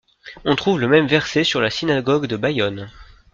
On trouve le même verset sur la synagogue de Bayonne.